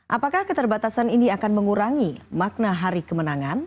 apakah keterbatasan ini akan mengurangi makna hari kemenangan